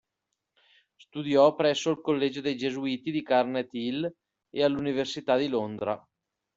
Studiò presso il Collegio dei gesuiti di Garnet Hill e all'Università di Londra.